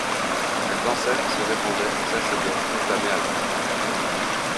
Elle dansait, se répandait, s'asseyait, réclamait à boire.